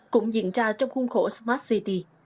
cũng diễn ra trong khuôn khổ smart city